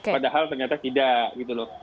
walaupun tidak diterapkan